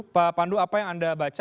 pak pandu apa yang anda baca